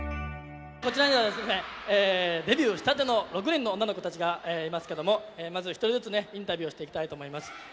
こちらにはですねデビューしたての６人の女の子たちがいますけどもまず１人ずつねインタビューをしていきたいと思います。